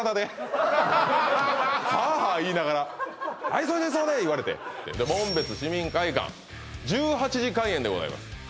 ハアハア言いながらはい急いで急いで言われて紋別市民会館１８時開演でございます